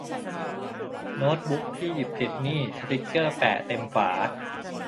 โน๊ตบุ๊กที่หยิบผิดนี่สติ๊กเกอร์แปะเต็มฝา